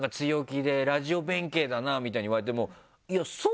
みたいに言われても。